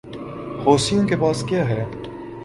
حوثیوں کے پاس کیا ہے؟